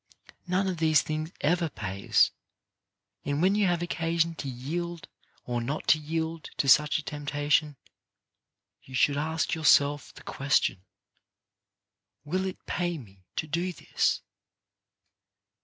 None of these things ever pays, and when you have oc casion to yield or not to yield to such a temptation, you should ask yourself the question :'' Will it pay me to do this